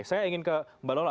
saya ingin ke mbak lola